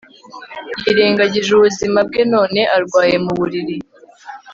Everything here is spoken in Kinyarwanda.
Yirengagije ubuzima bwe none arwaye mu buriri